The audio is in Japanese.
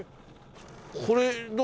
これどう？